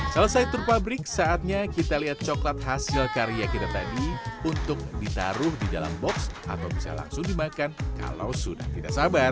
selesai tur pabrik saatnya kita lihat coklat hasil karya kita tadi untuk ditaruh di dalam box atau bisa langsung dimakan kalau sudah tidak sabar